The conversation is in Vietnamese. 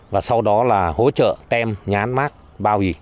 và sau đó là hỗ trợ tem nhán mát bao gì